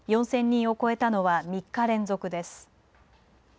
４０００人を超えたのは３日連続です。